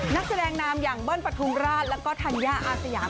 นักแสดงนามอย่างเบิ้ลปฐุมราชแล้วก็ธัญญาอาสยาม